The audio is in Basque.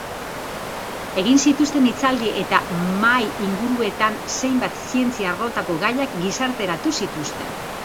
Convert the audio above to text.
Egin zituzten hitzaldi eta mahai-inguruetan, zenbait zientzia-arlotako gaiak gizarteratu zituzten.